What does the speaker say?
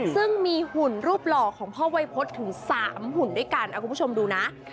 ซึ่งมีหุ่นรูปหล่อของพ่อไวฟฟศถึงสามหุ่นด้วยกันเอาคุณผู้ชมดูนะค่ะ